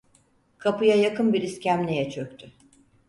Kapıya yakın bir iskemleye çöktü.